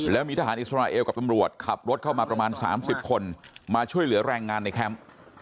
แล้วมีทหารอิสราเอลกับตำรวจขับรถเข้ามาประมาณ๓๐คนมาช่วยเหลือแรงงานในแคมป์